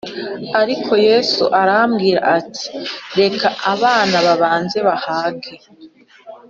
Ariko Yesu aramubwira ati reka abana babanze bahage